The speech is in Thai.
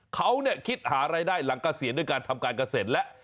เขาคิดหารายได้หลังเกษียณด้วยการทำการเกษตรและ